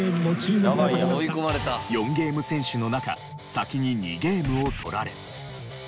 ４ゲーム先取の中先に２ゲームを取られ。